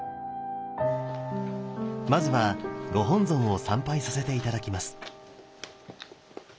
まずはご本尊を参拝させて頂きます。